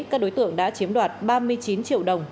các đối tượng đã chiếm đoạt ba mươi chín triệu đồng